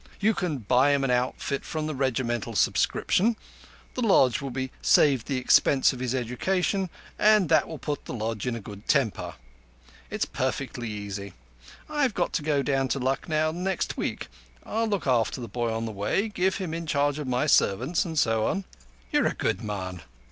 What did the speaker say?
You can buy him an outfit from the Regimental subscription. The Lodge will be saved the expense of his education, and that will put the Lodge in a good temper. It's perfectly easy. I've got to go down to Lucknow next week. I'll look after the boy on the way—give him in charge of my servants, and so on." "You're a good man."